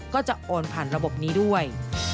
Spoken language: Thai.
ก็จะโอนผ่านระบบนี้ด้วย